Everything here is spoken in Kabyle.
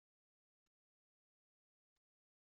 Yejmeḍ abrid did awen udfel.